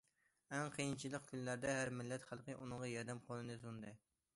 ئەڭ قىيىنچىلىق كۈنلەردە ھەر مىللەت خەلقى ئۇنىڭغا ياردەم قولىنى سۇندى.